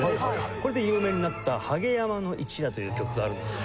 これで有名になった『禿山の一夜』という曲があるんですよ。